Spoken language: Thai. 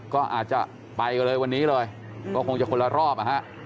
ก็อาจจะไปกันเลยวันนี้เลยก็คงจะคนละรอบนะฮะ